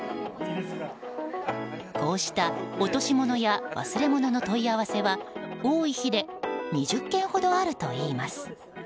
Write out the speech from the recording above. こうした落とし物や忘れ物の問い合わせは多い日で２０件ほどあるといいます。